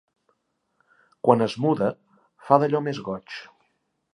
Quan es muda, fa d'allò més goig.